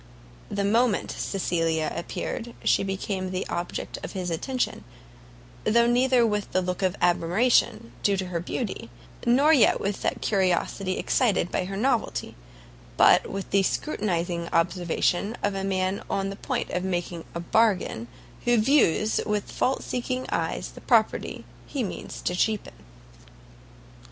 The moment Cecilia appeared, she became the object of his attention, though neither with the look of admiration due to her beauty, nor yet with that of curiosity excited by her novelty, but with the scrutinizing observation of a man on the point of making a bargain, who views with fault seeking eyes the property he means to cheapen.